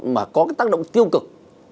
mà có tác động tiêu cực